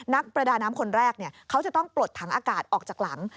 นักประดาน้ำคนแรกเขาจะต้องปลดถังอากาศออกจากหลัง